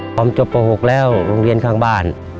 ผมจบป๖แล้วโรงเรียนข้างบ้าน